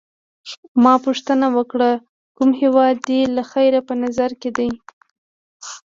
ما پوښتنه وکړه: کوم هیواد دي له خیره په نظر کي دی؟